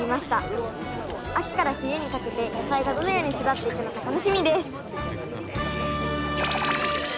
秋から冬にかけて野菜がどのように育っていくのか楽しみです。